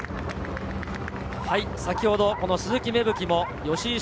先ほど鈴木芽吹も吉居駿